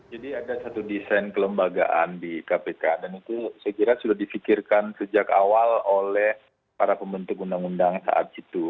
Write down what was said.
jadi ada satu desain kelembagaan di kpk dan itu saya kira sudah difikirkan sejak awal oleh para pembentuk undang undang saat itu